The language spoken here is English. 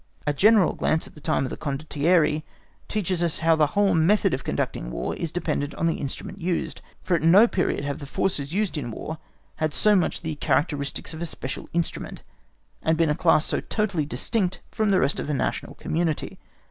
A general glance at the time of the Condottieri teaches us how the whole method of conducting War is dependent on the instrument used; for at no period have the forces used in War had so much the characteristics of a special instrument, and been a class so totally distinct from the rest of the national community.